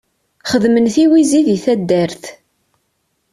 Xedmen tiwizi di taddart